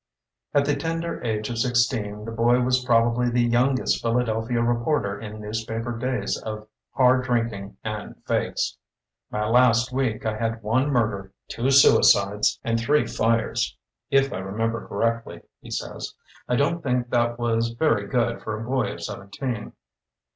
At the tender age of sixteen the boy was probably the youngest Philadel phia reporter in newspaper days of hard drinking and fakes. "My last week I had one murder, two suicides. 58 54 THE BOOKMAN and three fires, if I remember correct ly/' he says. "I don't think that was very good for a boy of seventeen."